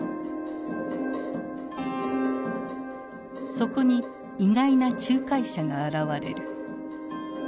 そこに意外な仲介者が現れる。